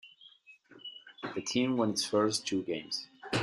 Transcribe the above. The team won its first two games.